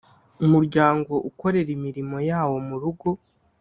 Umuryango ukorera imilimo yawo murugo